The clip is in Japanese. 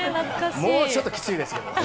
もうちょっときついですけど。